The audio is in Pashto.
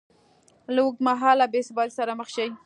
له اوږدمهاله بېثباتۍ سره مخ شي